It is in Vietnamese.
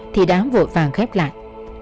thì đã vội vàng khép lại